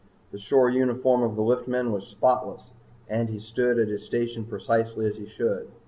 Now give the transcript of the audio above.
The shore uniform of the liftman was spotless and he stood at his station precisely as he should.